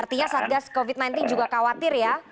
artinya satgas covid sembilan belas juga khawatir ya